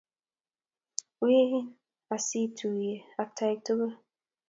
Win asiituye ak taek kuk.